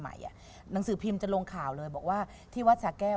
หนังสือพิมพ์จะลงข่าวเลยบอกว่าที่วัดสาแก้ว